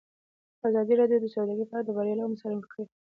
ازادي راډیو د سوداګري په اړه د بریاوو مثالونه ورکړي.